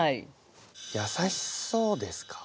やさしそうですか？